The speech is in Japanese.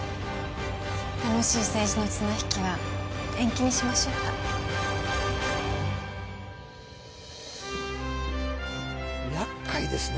楽しい政治の綱引きは延期にしましょうか厄介ですね